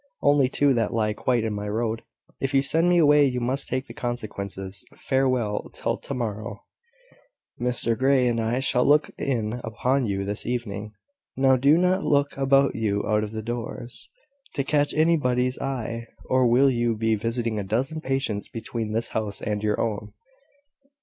"Only two that lie quite in my road. If you send me away, you must take the consequences. Farewell, till tomorrow." "Mr Grey and I shall look in upon you this evening. Now do not look about you out of doors, to catch anybody's eye, or you will be visiting a dozen patients between this house and your own."